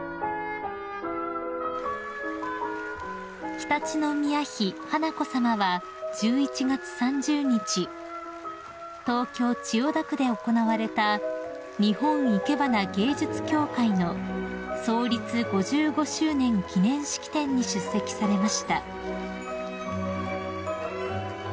［常陸宮妃華子さまは１１月３０日東京千代田区で行われた日本いけばな芸術協会の創立５５周年記念式典に出席されました］